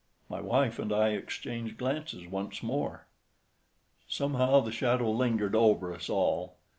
My wife and I exchanged glances once more. Somehow, the shadow lingered over us all.